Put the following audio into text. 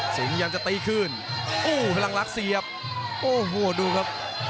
สิงห์ยังจะตีขึ้นโอ้โหพลังรักเสียบโอ้โหดูครับ